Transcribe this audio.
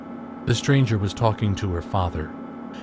The stranger was talking to her father.